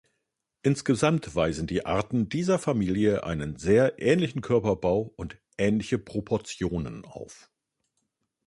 Insgesamt weisen die Arten dieser Familie einen sehr ähnlichen Körperbau und ähnliche Proportionen auf.